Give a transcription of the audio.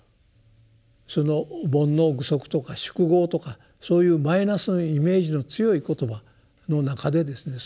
その「煩悩具足」とか「宿業」とかそういうマイナスのイメージの強い言葉の中でですね